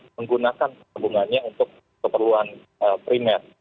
menggunakan tumbuhannya untuk keperluan primat